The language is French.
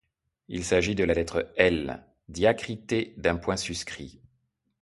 Il s’agit de la lettre L diacritée d’un point suscrit.